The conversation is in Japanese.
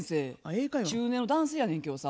中年の男性やねんけどさ。